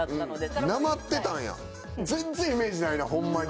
全然イメージないなホンマに。